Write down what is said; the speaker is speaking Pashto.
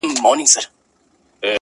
• ها د خوشحال او د امان د ارمانونو کیسې,